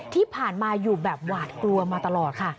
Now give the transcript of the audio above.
ที่ผ่านมาอยู่แบบหวาดกลัวมาตลอดค่ะ